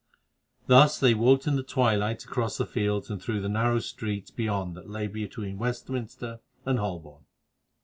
Thus they walked in the twilight across the fields and through the narrow streets beyond that lay between Westminster and Holborn.